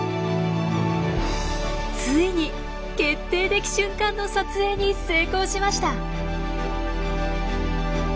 ついに決定的瞬間の撮影に成功しました！